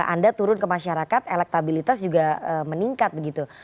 anda turun ke masyarakat elektabilitas juga meningkat begitu